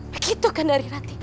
begitukan dari latih